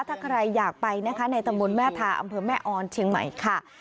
ถ้าใครอยากไปนะคะในตำบลแม่ทาอำเภอแม่ออนเชียงใหม่ค่ะ